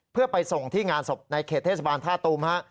เพื่อไปส่งที่งานศพในเขตเทศบาลท่าตูมฮะ